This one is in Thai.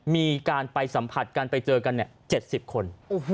มีการไปสัมผัสกันไปเจอกัน๗๐คน